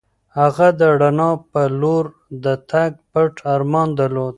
هغه د رڼا په لور د تګ پټ ارمان درلود.